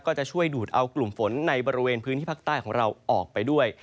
ก็จะช่วยดูดเอากลุ่มฝนในบริเวณพื้นที่ภาคใต้ของเราออกไปด้วย